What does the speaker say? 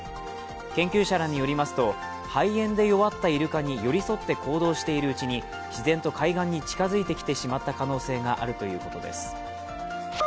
研究者らによりますと、肺炎で弱ったイルカに寄り添って行動しているうちに自然と海岸に近づいてきてしまった可能性があるということです。